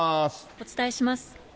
お伝えします。